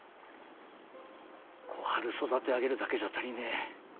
小春育て上げるだけじゃ足りねえ。